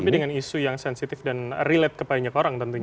tapi dengan isu yang sensitif dan relate ke banyak orang tentunya